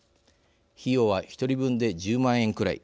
費用は、１人分で１０万円くらい。